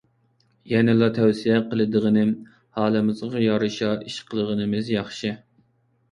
يەنىلا تەۋسىيە قىلىدىغىنىم، ھالىمىزغا يارىشا ئىش قىلغىنىمىز ياخشى.